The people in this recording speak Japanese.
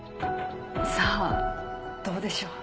さあどうでしょう。